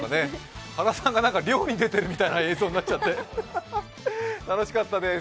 原さんが漁に出ているみたいな映像になっちゃって楽しかったです。